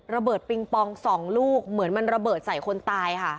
ระเบิดปริงปองสองลูกเหมือนมันระเบิดใส่คนตายค่ะ